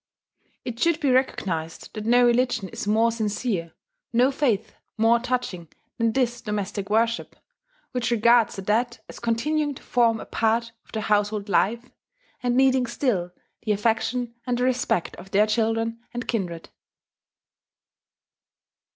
It should be recognized that no religion is more sincere, no faith more touching than this domestic worship, which regards the dead as continuing to form a part of the household life, and needing still the affection and the respect of their children and kindred.